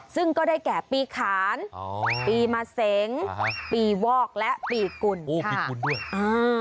ซึ่งก็ได้แก่ปีขานปีมะเสงปีวอกและปีกุ่นค่ะ